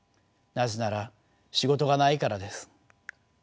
なぜなら仕事がないからです。